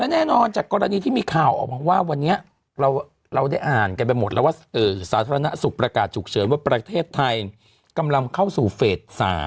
แน่นอนจากกรณีที่มีข่าวออกมาว่าวันนี้เราได้อ่านกันไปหมดแล้วว่าสาธารณสุขประกาศฉุกเฉินว่าประเทศไทยกำลังเข้าสู่เฟส๓